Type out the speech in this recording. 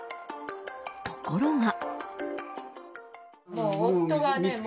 ところが。